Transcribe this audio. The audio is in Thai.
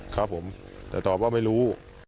ครับผมแต่ตอบว่าไม่รู้